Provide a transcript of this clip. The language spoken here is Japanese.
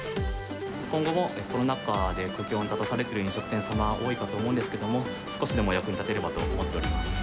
今後もコロナ禍で苦境に立たされている飲食店様、多いかと思うんですけれども、少しでも役に立てればと思っております。